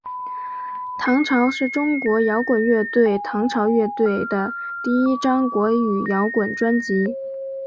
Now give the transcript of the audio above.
唐朝是中国摇滚乐队唐朝乐队的第一张国语摇滚专辑。